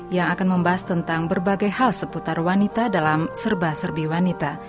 yang akan membahas tentang berbagai hal seputar wanita dalam serba serbi wanita